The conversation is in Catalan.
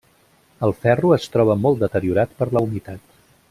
El ferro es troba molt deteriorat per la humitat.